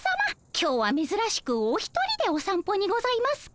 今日はめずらしくお一人でおさんぽにございますか？